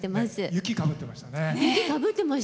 雪、かぶってましたね。